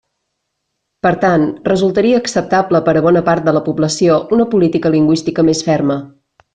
Per tant, resultaria acceptable per a bona part de la població una política lingüística més ferma.